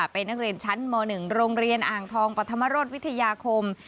เป็นนักเรียนชั้นม๑โรงเรียนอ่างทองปธรรมรสวิทยาคม